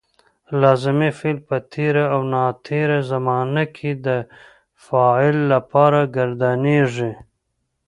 لازمي فعل په تېره او ناتېره زمانه کې د فاعل لپاره ګردانیږي.